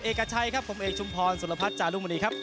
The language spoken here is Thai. เอกชัยครับผมเอกชุมพรสุรพัฒน์จารุมณีครับ